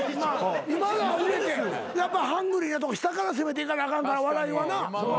今田は売れてやっぱハングリーなとこ下から攻めていかなあかんから笑いはな。